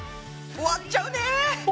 終わっちゃう！